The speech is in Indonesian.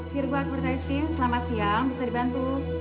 kir gua akwardai sim selamat siang bisa dibantu